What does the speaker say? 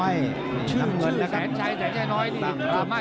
ยิ่งโดนยัยยิ่งเดินนะครับ